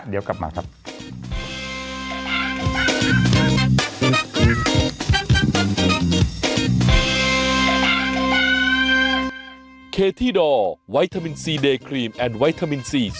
เดี๋ยวกลับมาครับ